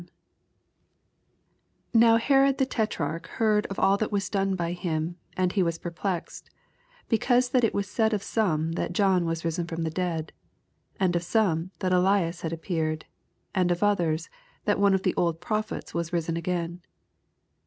7 Now Herod the tetraroh heard of all that was done by him : and he was perplexed, becauBe that it was said of some, that John was risen &om the dead: 8 And of some, that Ellas had ap peared ; an^'. of otQen>, that one of the old prophets was risen again.